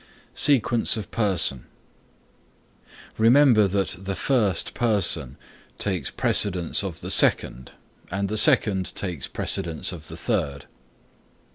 SEQUENCE OF PERSON Remember that the first person takes precedence of the second and the second takes precedence of the third.